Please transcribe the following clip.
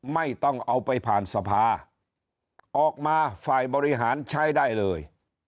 ไม่ต้องเอาไปผ่านสภาออกมาฝ่ายบริหารใช้ได้เลย